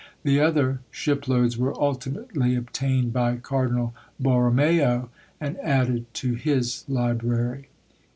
The other ship loads were ultimately obtained by Cardinal Borromeo, and added to his library.